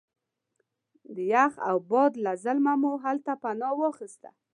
د یخ او باد له ظلمه مو هلته پناه واخسته.